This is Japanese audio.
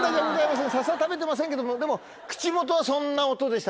笹食べてませんけどもでも口元はそんな音でしたね。